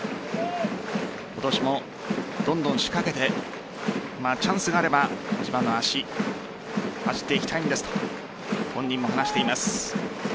今年もどんどん仕掛けてチャンスがあれば自慢の足で走っていきたいんですと本人も話しています。